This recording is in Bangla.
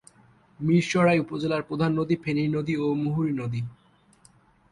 মীরসরাই উপজেলার প্রধান নদী ফেনী নদী ও মুহুরী নদী।